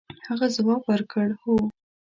هغه ځواب ورکړ هو.